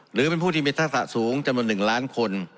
หรือเป็นผู้ที่มีทักษะสูงจำนวน๑ล้านคน